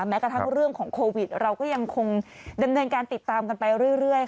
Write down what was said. แม้กระทั่งเรื่องของโควิดเราก็ยังคงดำเนินการติดตามกันไปเรื่อย